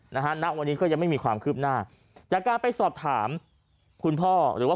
นะฮะณวันนี้ก็ยังไม่มีความคืบหน้าจากการไปสอบถามคุณพ่อหรือว่า